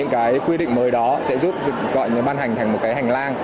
cái quy định mới đó sẽ giúp gọi như ban hành thành một cái hành lang